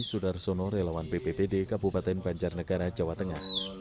sudarsono relawan bppd kabupaten banjarnegara jawa tengah